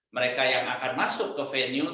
mereka yang akan masuk ke venue